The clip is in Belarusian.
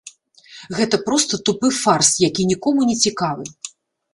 Гэта проста тупы фарс, які нікому не цікавы.